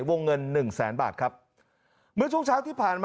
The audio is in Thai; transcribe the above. วงเงินหนึ่งแสนบาทครับเมื่อช่วงเช้าที่ผ่านมา